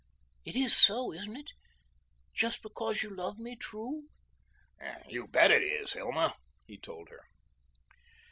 It is so, isn't it? Just because you love me true." "You bet it is, Hilma," he told her.